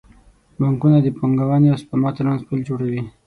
بانکونه د پانګونې او سپما ترمنځ پل جوړوي.